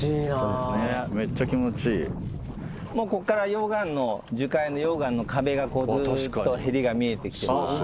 もうこっから溶岩の樹海の溶岩の壁がずーっとへりが見えてきてます。